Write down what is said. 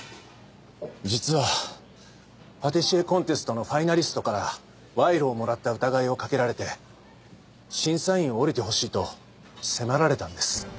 実はパティシエコンテストのファイナリストから賄賂をもらった疑いをかけられて審査員を降りてほしいと迫られたんです。